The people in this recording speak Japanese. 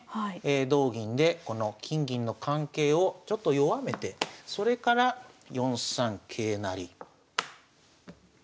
同銀でこの金銀の関係をちょっと弱めてそれから４三桂成。